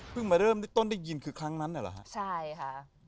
เพิ่งมาเริ่มต้นได้ยินคือครั้งนั้นเนี่ยเหรอค่ะใช่ค่ะค่ะ